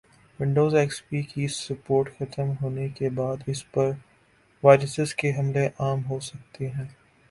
Windows X P کی support ختم ہونے کی بعد اس پر وائرسز کے حملے عام ہوسکتے ہیں